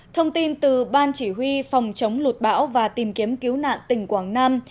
thông tin từ ban chỉ huy phòng chống lụt bão và tìm kiếm cứu nạn tỉnh quảng nam